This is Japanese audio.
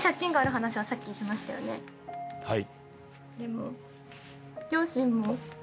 はい。